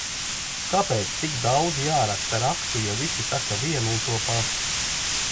Kāpēc tik daudz jāraksta rakstu, ja visi saka vienu un to pašu?